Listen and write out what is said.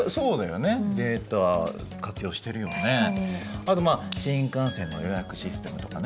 あと新幹線の予約システムとかね。